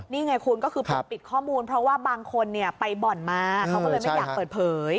นี่ไงคุณก็คือปกปิดข้อมูลเพราะว่าบางคนไปบ่อนมาเขาก็เลยไม่อยากเปิดเผย